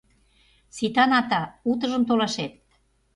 Сита, Ната, утыжым толашет.